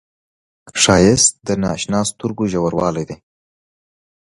ښایست د نااشنا سترګو ژوروالی دی